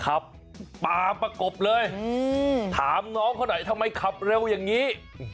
ขับตามประกบเลยถามน้องเขาหน่อยทำไมขับเร็วอย่างนี้